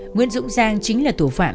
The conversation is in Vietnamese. nguyễn dũng giang chính là thủ phạm